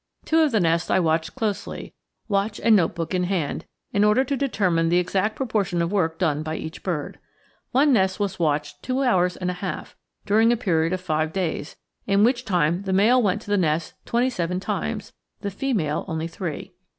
Two of the nests I watched closely, watch and note book in hand, in order to determine the exact proportion of work done by each bird. One nest was watched two hours and a half, during a period of five days, in which time the male went to the nest twenty seven times, the female, only three.